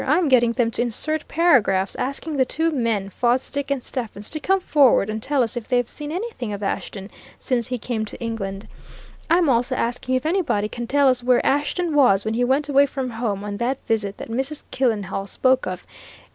"I'm getting them to insert paragraphs asking the two men, Fosdick and Stephens, to come forward and tell us if they've seen anything of Ashton since he came to England; I'm also asking if anybody can tell us where Ashton was when he went away from home on that visit that Mrs. Killenhall spoke of.